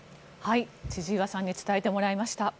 千々岩さんに伝えてもらいました。